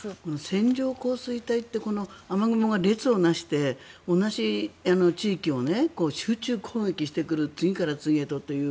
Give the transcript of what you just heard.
線状降水帯って雨雲が列を成して同じ地域を集中攻撃してくる次から次へとという。